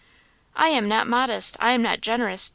"I am not modest! I am not generous!